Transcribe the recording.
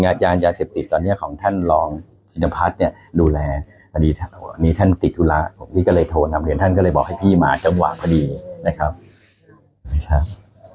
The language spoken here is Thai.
ยานยาเสพติดตอนนี้ของท่านรองชินพัฒน์เนี่ยดูแลมีท่านติดธุระพี่ก็เลยโทรนำเรียนท่านก็เลยบอกให้พี่มาจังหวะพอดีนะครับ